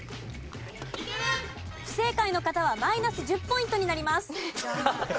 不正解の方はマイナス１０ポイントになります。